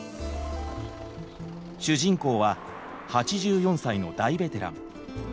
主人公は８４歳の大ベテラン。